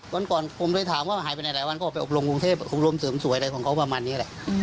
วันก่อนผมเลยถามว่าหายไปไหนหลายวันก็ออกไปอบรมกรุงเทพอบรมเสริมสวยอะไรของเขาประมาณนี้แหละ